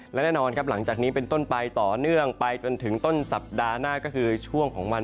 และแน่นอนครับหลังจากนี้เป็นต้นไปต่อเนื่องไปจนถึงต้นสัปดาห์หน้าก็คือช่วงของวัน